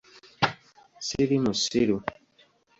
Siri musiru!